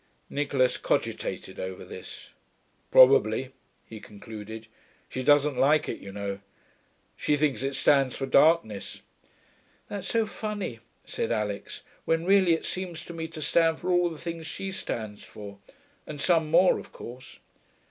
Nicholas cogitated over this. 'Probably,' he concluded. 'She doesn't like it, you know. She thinks it stands for darkness.' 'That's so funny,' said Alix, 'when really it seems to me to stand for all the things she stands for and some more, of course.'